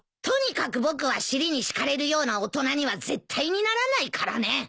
とにかく僕は尻に敷かれるような大人には絶対にならないからね！